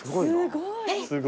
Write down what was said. すごーい。